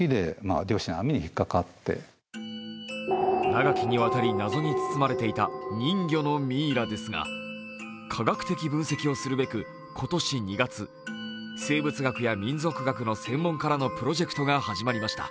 長きにわたり謎に包まれていた人魚のミイラですが科学的分析をすべく今年２月、生物学や民俗学の専門家らのプロジェクトが始まりました。